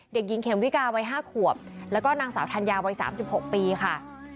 เด็กหญิงเขมวิกาวัย๕ขวบแล้วก็นางสาวธัญญาวัย๓๖ปีค่ะ